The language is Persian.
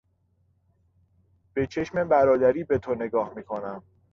به چشم برادری به تو نگاه میکنم.